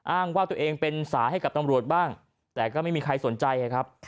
อ้างว่าตัวเองเป็นสายให้กับตำรวจบ้างแต่ก็ไม่มีใครสนใจครับ